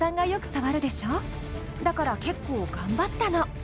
だから結構頑張ったの。